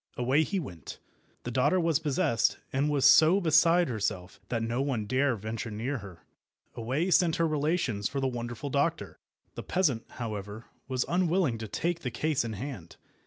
Away he went. The daughter was possessed, and was so beside herself that no one dare venture near her. Away sent her relations for the wonderful doctor. The peasant, however, was unwilling to take the case in hand.